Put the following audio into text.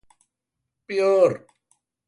Peor.